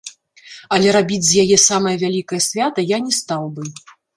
Але рабіць з яе самае вялікае свята я не стаў бы.